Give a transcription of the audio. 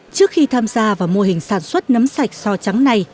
trước khi tham gia vào mô hình sản xuất nấm sạch so trắng này